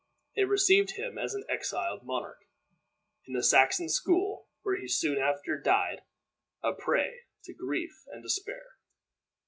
They received him as an exiled monarch, in the Saxon school, where he soon after died a prey to grief and despair.